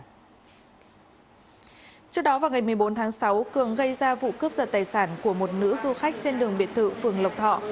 trước đó vào ngày một mươi bốn tháng sáu cường gây ra vụ cướp giật tài sản của một nữ du khách trên đường biệt thự phường lộc thọ